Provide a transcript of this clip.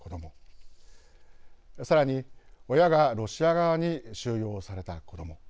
さらに親がロシア側に収容された子ども。